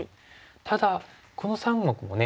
ただこの３目もね